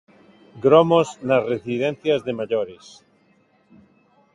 Gromos nas residencias de maiores.